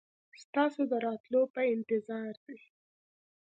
ستاسو د راتلو په انتظار دي.